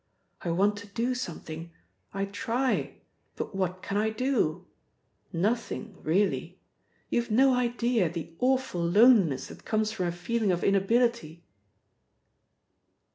I want to do something! I try! But what can I do? Nothing really! You've no idea of the awful loneliness that comes from a feeling of inability."